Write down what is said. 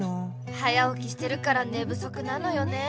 「早おきしてるからねぶそくなのよね」。